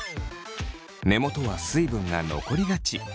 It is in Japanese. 根元は水分が残りがち。